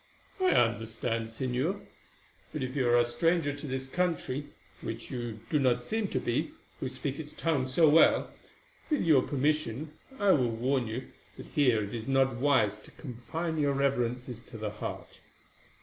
"I understand, Señor; but if you are a stranger to this country, which you do not seem to be, who speak its tongue so well, with your permission I will warn you that here it is wise not to confine your reverences to the heart.